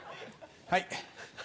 はい。